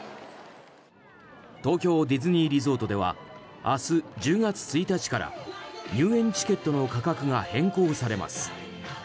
東京ディズニーリゾートでは明日１０月１日から入園チケットの価格が変更されます。